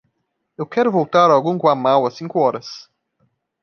Eu quero voltar ao Guanghua Mall às cinco horas.